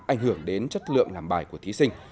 ảnh hưởng đến chất lượng làm bài của thí sinh